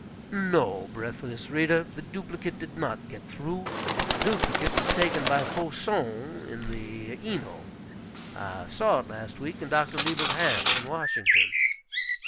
No, breathless reader, the duplicate did not get through. The duplicate was taken by Faucon, in the Ino. I saw it last week in Dr. Lieber's hands, in Washington.